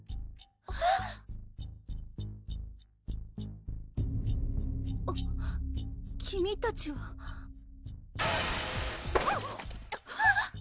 あっ君たちはあっ！